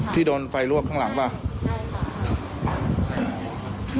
ที่โดนไฟรวกข้างหลังป่าว